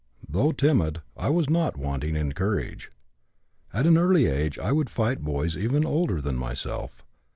Though timid I was not wanting in courage. At an early age I would fight boys even older than myself.